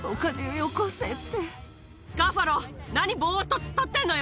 カファロ、何ぼーっと突っ立ってるのよ。